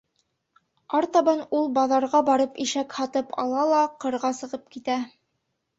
Артабан ул баҙарға барып ишәк һатып ала ла ҡырға сығып китә.